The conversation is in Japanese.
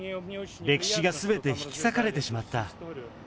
歴史がすべて引き裂かれてしまった。